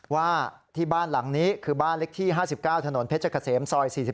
ว่าที่บ้านหลังนี้คือบ้านเล็กที่๕๙ถนนเพชรเกษมซอย๔๒